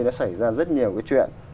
nó xảy ra rất nhiều cái chuyện